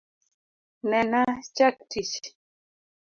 Nena chack tich